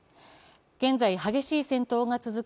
現在、激しい戦闘が続く